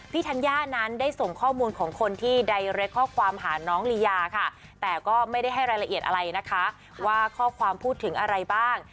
ธัญญานั้นได้ส่งข้อมูลของคนที่ใดเรียกข้อความหาน้องลียาค่ะแต่ก็ไม่ได้ให้รายละเอียดอะไรนะคะว่าข้อความพูดถึงอะไรบ้าง